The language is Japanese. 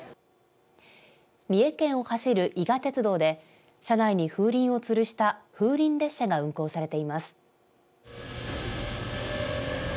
三重県を走る伊賀鉄道で車内に風鈴をつるした風鈴列車が運行されています。